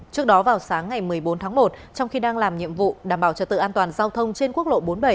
trước đó vào sáng ngày một mươi bốn tháng một trong khi đang làm nhiệm vụ đảm bảo trật tự an toàn giao thông trên quốc lộ bốn mươi bảy